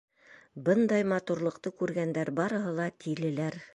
Бындай матурлыҡты күргәндәр барыһы ла тилеләр.